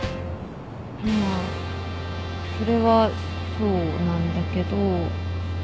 まあそれはそうなんだけど。